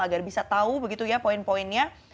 agar bisa tahu begitu ya poin poinnya